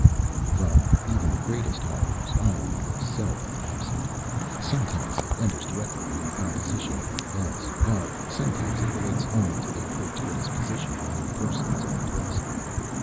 From even the greatest of horrors irony is seldom absent. Sometimes it enters directly into the composition of the events, while sometimes it relates only to their fortuitous position among persons and places.